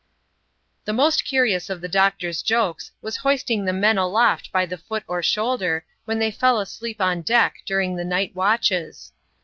The most curious of the doctor^s jokes, was hoisting the men aloft by the foot or shoulder, when they fell asleep on dedk during the night watches.